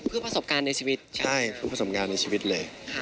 เพื่อประสบการณ์ในชีวิตใช่เพื่อประสบการณ์ในชีวิตเลย